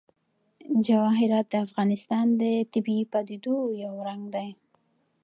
جواهرات د افغانستان د طبیعي پدیدو یو رنګ دی.